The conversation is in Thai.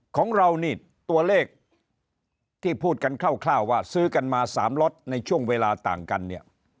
ของเรานี่ตัวเลขที่พูดกันคร่าวว่าซื้อกันมา๓ล็อตในช่วงเวลาต่างกันเนี่ย